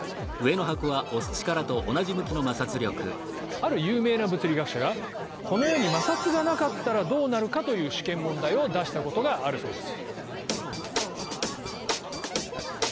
ある有名な物理学者が「この世に摩擦がなかったらどうなるか」という試験問題を出したことがあるそうです。